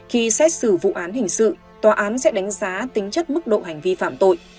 khi xét xử vụ án hình sự tòa án sẽ đánh giá tính chất mức độ hành vi phạm tội